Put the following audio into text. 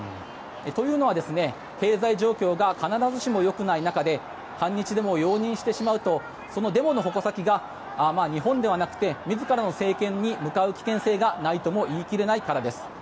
というのは、経済状況が必ずしもよくない中で反日デモを容認してしまうとそのデモの矛先が日本ではなくて自らの政権に向かう危険性がないとも言い切れないからです。